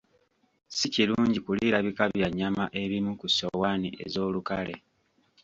Si kirungi kuliira bika bya nnyama ebimu ku ssowaani ez'olukale.